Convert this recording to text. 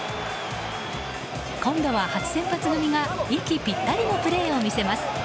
今度は、初先発組が息ぴったりのプレーを見せます。